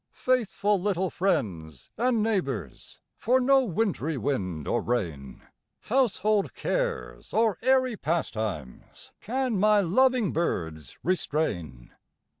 Faithful little friends and neighbors, For no wintry wind or rain, Household cares or airy pastimes, Can my loving birds restrain.